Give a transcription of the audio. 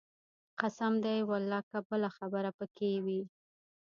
قسم دى ولله که بله خبره پکښې کښې وي.